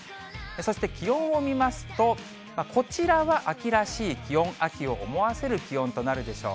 そして気温を見ますと、こちらは秋らしい気温、秋を思わせる気温となるでしょう。